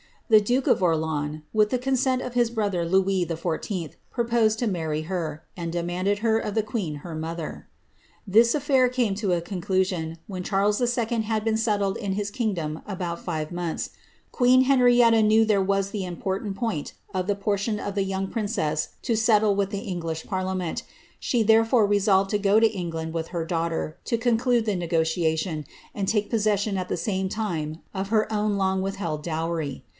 The duke of Orleans, with the consent of his brother jouis XIV., proposed to marry her, and demanded her of the queen her nother.' This affiiir came to a conclusion, when Charles II. had been settled in lb kingdom about five months ; queen Henrietta knew there was the mportant point of the portion of the young princess to settle with the Jiglish pariiament. She therefore resolved to go to England with her laughter, to conclude the negotiation, and take possession at the same ime of her own long withheld dowry.